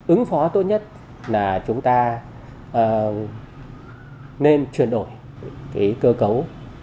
ứng phó tốt nhất là chúng ta nên chuyển đổi cơ cấu